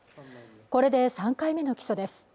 これで３回目の起訴です